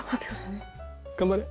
頑張れ。